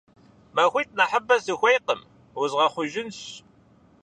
МахуитӀ нэхъыбэ сыхуейкъым, узгъэхъужынщ.